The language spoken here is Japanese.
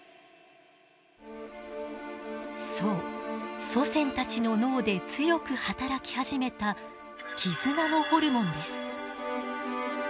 そう祖先たちの脳で強く働き始めた絆のホルモンです。